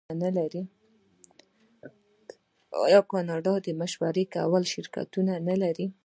آیا کاناډا د مشورې ورکولو شرکتونه نلري؟